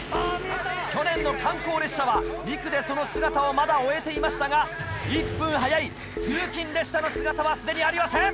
去年の観光列車は２区でその姿をまだ追えていましたが１分早い通勤列車の姿はすでにありません！